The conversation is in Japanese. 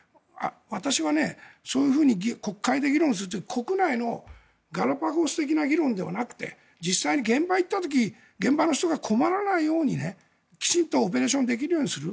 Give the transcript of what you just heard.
私は、そういうふうに国会で議論するというか国内のガラパゴス的な議論ではなくて実際に現場に行った時に現場の人が困らないようにきちんとオペレーションできるようにする。